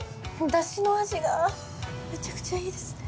ダシの味がめちゃくちゃいいですね。